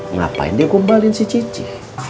ngapain dia kumbalin si cici